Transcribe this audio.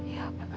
iya pak pak